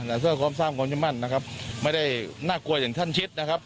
หลังจากกรมสร้างกรมชมันนะครับไม่ได้น่ากลัวอย่างท่านชิดนะครับ